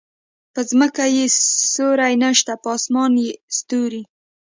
په ځمکه يې سیوری نشته په اسمان ستوری